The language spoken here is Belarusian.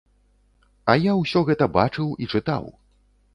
А я ўсё гэта бачыў і чытаў.